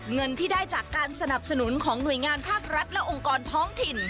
เงินที่ได้จากการสนับสนุนของหน่วยงานภาครัฐและองค์กรท้องถิ่น